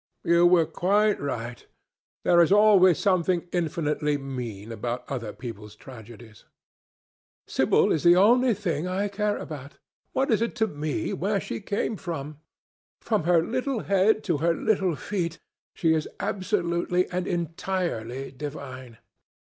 "You were quite right. There is always something infinitely mean about other people's tragedies." "Sibyl is the only thing I care about. What is it to me where she came from? From her little head to her little feet, she is absolutely and entirely divine.